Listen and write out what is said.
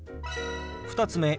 ２つ目。